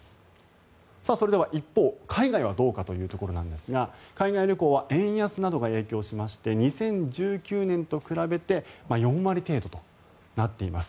それでは一方海外はどうかというところですが海外旅行は円安などが影響しまして２０１９年と比べて４割程度となっています。